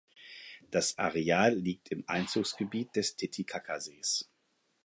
Das Areal liegt im Einzugsgebiet des Titicacasees.